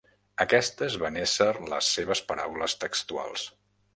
Aquestes van ésser les seves paraules textuals.